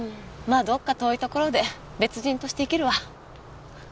あどっか遠いところで別人として生きるわ。